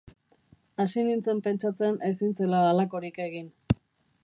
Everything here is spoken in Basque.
Hasi nintzen pentsatzen ezin zela halakorik egin.